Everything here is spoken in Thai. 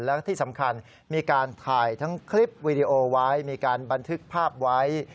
และที่สำคัญมีการถ่ายทั้งคลิปวีดีโอไว้มีการบันทึกภาพไว้